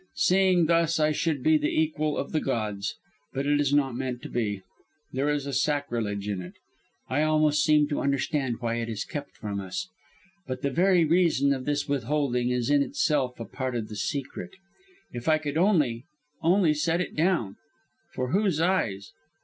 Seeing thus I should be the equal of the gods. But it is not meant to be. There is a sacrilege in it. I almost seem to understand why it is kept from us. But the very reason of this withholding is in itself a part of the secret. If I could only, only set it down! for whose eyes?